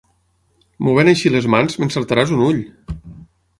Movent així les mans m'encertaràs un ull!